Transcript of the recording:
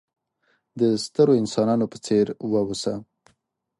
د سترو انسانانو په څېر وه اوسه!